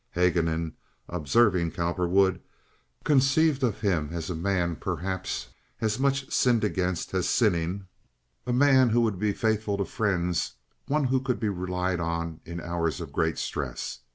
Haguenin, observing Cowperwood, conceived of him as a man perhaps as much sinned against as sinning, a man who would be faithful to friends, one who could be relied upon in hours of great stress.